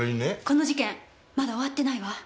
この事件まだ終わってないわ。